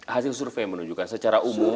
hasil survei menunjukkan secara umum